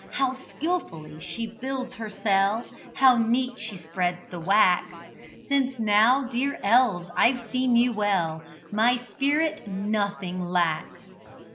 How skilfully she builds her cell, How neat she spreads the wax Since, now, dear elves, I've seen you well, My spirit nothing lacks."